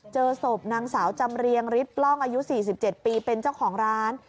เจอศพนางสาวจำเรียงฤทธปล้องอายุ๔๗ปีเป็นเจ้าของร้าน